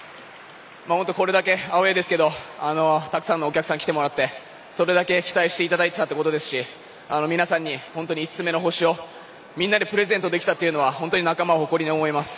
本当、これだけアウェーですけどたくさんのお客さんに来てもらってそれだけ期待していただいていたということですし皆さんに本当に５つ目の星をみんなでプレゼントできたのは仲間を誇りに思います。